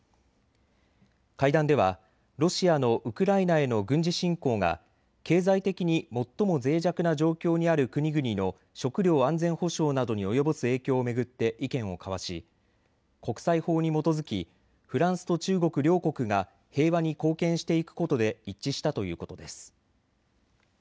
会談ではロシアのウクライナへの軍事侵攻が経済的に最もぜい弱な状況にある国々の食料安全保障などに及ぼす影響を巡って意見を交わし国際法に基づきフランスと中国両国が平和に貢献していくことで一致したということです。